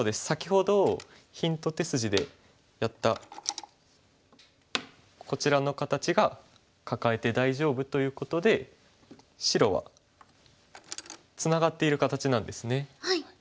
先ほどヒント手筋でやったこちらの形がカカえて大丈夫ということで白はツナがっている形なんですね。